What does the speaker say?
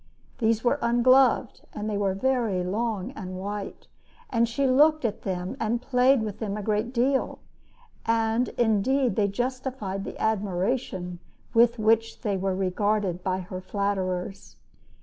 These were ungloved, and were very long and white, and she looked at them and played with them a great deal; and, indeed, they justified the admiration with which they were regarded by her flatterers.